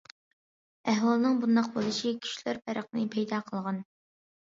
ئەھۋالنىڭ بۇنداق بولۇشى كۈچلەر پەرقىنى پەيدا قىلغان.